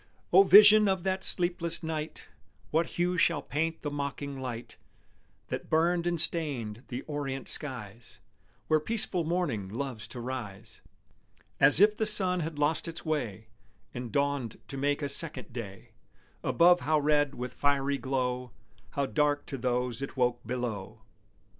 _ O vision of that sleepless night, What hue shall paint the mocking light That burned and stained the orient skies Where peaceful morning loves to rise, As if the sun had lost his way And dawned to make a second day, Above how red with fiery glow, How dark to those it woke below!